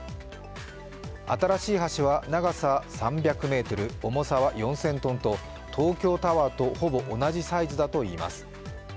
新しい橋は長さ３００ｍ、重さは４０００ｔと、東京タワーとほぼ同じサイズだといいます。